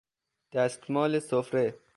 دستمال سفره